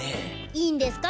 いいんですか？